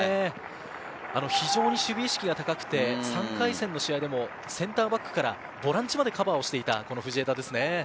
非常に守備意識が高くて、３回戦の試合でもセンターバックからボランチまでカバーをしていた藤枝です。